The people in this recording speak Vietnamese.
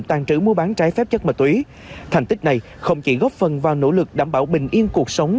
tàn trữ mua bán trái phép chất ma túy thành tích này không chỉ góp phần vào nỗ lực đảm bảo bình yên cuộc sống